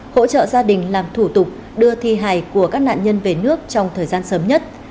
hỗ trợ gia đình làm thủ tục đưa thi hài của các nạn nhân về nước trong thời gian sớm nhất